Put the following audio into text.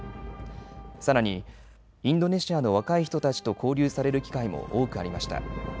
さらにインドネシアの若い人たちと交流される機会も多くありました。